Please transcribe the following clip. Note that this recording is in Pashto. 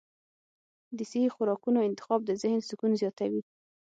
د صحي خوراکونو انتخاب د ذهن سکون زیاتوي.